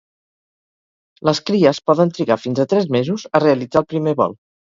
Les cries poden trigar fins a tres mesos a realitzar el primer vol.